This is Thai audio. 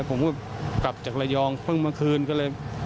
ผมก็กลับจากระยองเพิ่งเมื่อคืนก็เลย